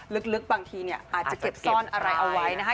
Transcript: ลึกบางทีเนี่ยอาจจะเก็บซ่อนอะไรเอาไว้นะคะ